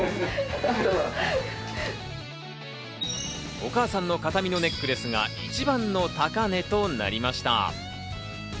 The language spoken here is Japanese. お母さんの形見のネックレスが一番の高値となりました。